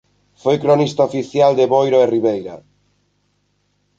Foi cronista oficial de Boiro e Ribeira.